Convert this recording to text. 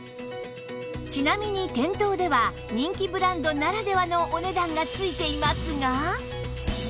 ちなみに店頭では人気ブランドならではのお値段がついていますが